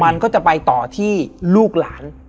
มันก็จะไปต่อที่ลูกหลาน